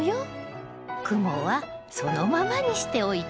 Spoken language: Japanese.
クモはそのままにしておいて。